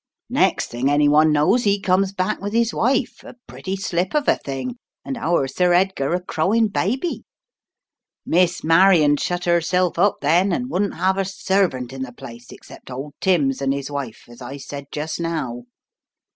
Next thing any one knows he comes back with 32 The Riddle of the Purple Emperor his wife, a pretty slip of a thing, and our Sir Edgar a crowing baby. Miss Marion shut herself up then, and wouldn't 'ave a servant in the place except old Timms and his wife, as I said just now.